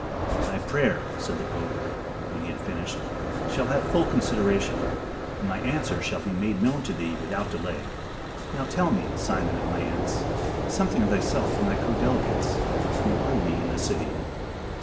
"Thy prayer" said the Pope, when he had finished, "shall have full consideration, and my answer shall be made known to thee without delay. Now tell me, Simon of Mayence, something of thyself and thy co delegates. Who are ye in the city?"